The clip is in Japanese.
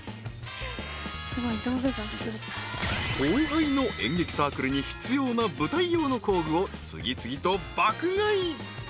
［後輩の演劇サークルに必要な舞台用の工具を次々と爆買い］